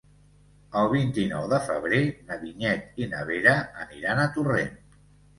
El vint-i-nou de febrer na Vinyet i na Vera aniran a Torrent.